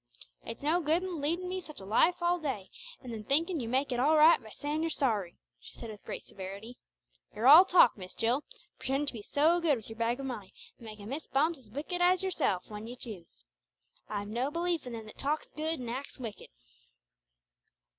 "It's no good leading me such a life all day, and then thinking you make it all right by saying you're sorry," she said with great severity. "You're all talk, Miss Jill! pretending to be so good with your bag of money, and making Miss Bumps as wicked as yourself when you choose! I've no belief in them that talks good, and acts wicked!"